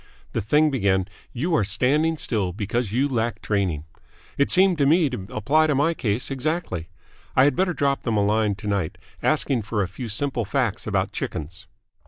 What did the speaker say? The thing began 'You are standing still because you lack training.' It seemed to me to apply to my case exactly. I had better drop them a line to night asking for a few simple facts about chickens."